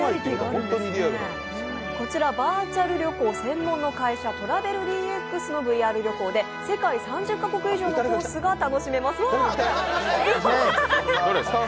こちらバーチャル旅行専門の会社、トラベルＤＸのＶＲ旅行で世界３０カ国以上のＶＲ旅行が楽しめます。